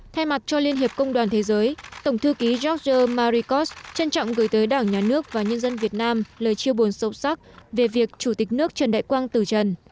thay mặt cho liên hiệp công đoàn thế giới tổng thư ký georgier maricos trân trọng gửi tới đảng nhà nước và nhân dân việt nam lời chia buồn sâu sắc về việc chủ tịch nước trần đại quang từ trần